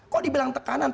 kok dibilang tekanan